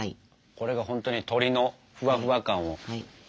これがほんとに鳥のふわふわ感を。